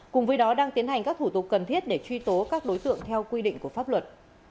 cùng với đó đang tiến hành các thủ tục cần thiết để truy tố các đối tượng theo quy định của pháp luật